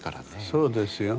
そうですよ。